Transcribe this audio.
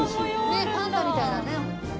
ねっパンダみたいだね。